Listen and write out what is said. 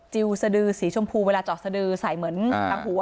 จิวสเดอร์สีชมพูเวลาจอดสเดอร์ใส่เหมือนหลังหูอ่ะ